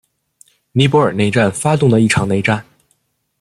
尼泊尔内战发动的一场内战。